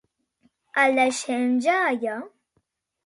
Els deixem ja allà?